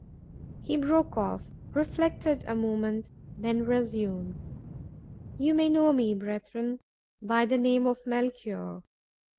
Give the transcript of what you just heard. He broke off, reflected a moment, then resumed: "You may know me, brethren, by the name of Melchior.